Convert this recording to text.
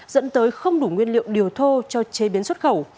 dẫn tới không đủ nguyên liệu điều thô cho chế biến xuất khẩu